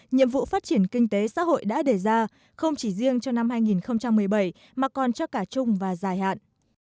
nhiệm vụ phát triển kinh tế xã hội đã đề ra không chỉ riêng cho năm hai nghìn một mươi bảy mà còn cho cả chung và dài hạn